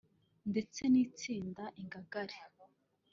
ndetse n’Itsinda Ingangare